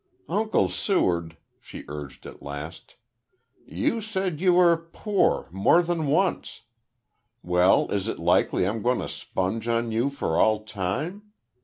"Uncle Seward," she urged at last. "You said you were poor more than once. Well, is it likely I'm going to sponge on you for all time?